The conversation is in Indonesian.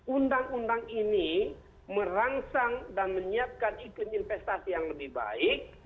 undang undang ini merangsang dan menyiapkan iklim investasi yang lebih baik